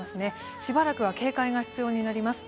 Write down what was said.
しばらくは警戒が必要になります。